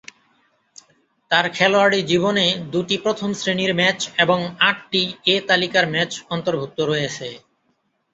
তার খেলোয়াড়ি জীবনে দুটি প্রথম-শ্রেণীর ম্যাচ এবং আটটি এ তালিকার ম্যাচ অন্তর্ভুক্ত রয়েছে।